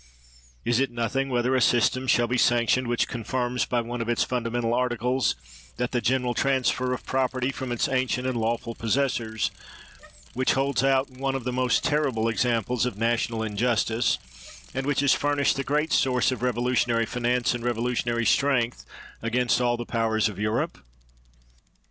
Is it nothing whether a system shall be sanc tioned which confirms, by one of its fundamental articles, that general transfer of property from its ancient and lawful possessors, which holds out one of the most terrible examples of national injustice, and which has furnished the great 25 THE WORLD'S FAMOUS ORATIONS source of revolutionary finance and revolution ary strength against all the powers of Europe?